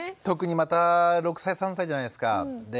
特にまた６歳３歳じゃないですか。